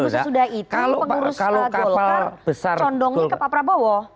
tapi sesudah itu pengurus golkar condongnya ke pak prabowo